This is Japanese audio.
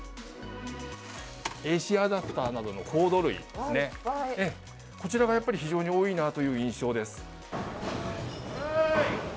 ＡＣアダプターなどのコード類ですね、こちらがやっぱり非常に多いなという印象です。